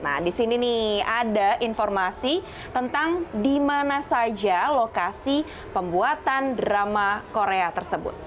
nah di sini nih ada informasi tentang di mana saja lokasi pembuatan drama korea tersebut